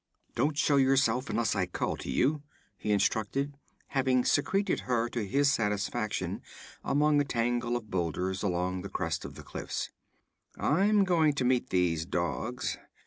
'Don't show yourself unless I call to you,' he instructed, having secreted her to his satisfaction among a tangle of boulders along the crest of the cliffs. 'I'm going to meet these dogs.